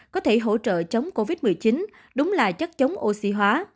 có thể hỗ trợ chống covid một mươi chín đúng là chất chống oxy hóa